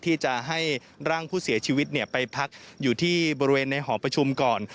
ที่จะให้ร่างผู้เสียชีวิตไปพักอยู่ที่บริเวณในหอประชุมก่อน